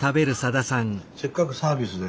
せっかくサービスで。